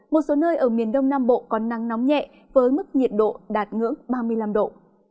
một số nơi ở miền đông nam bộ có nắng nóng nhẹ với mức nhiệt độ đạt ngưỡng ba mươi năm độ